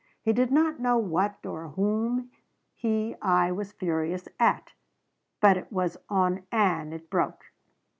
He did not know what or whom he I was furious at but it was on Ann it broke.